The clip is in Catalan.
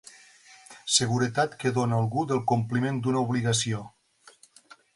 Seguretat que dóna algú del compliment d'una obligació.